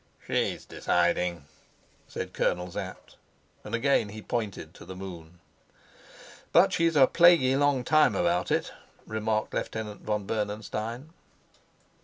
"She is deciding," said Colonel Sapt, and again he pointed to the moon. "But she's a plaguey long time about it," remarked Lieutenant von Bernenstein.